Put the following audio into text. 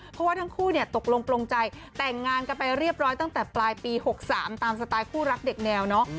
เพราะว่าทั้งคู่เนี่ยตกลงปลงใจแต่งงานกันไปเรียบร้อยตั้งแต่ปลายปี๖๓ตามสไตล์คู่รักเด็กแนวเนาะ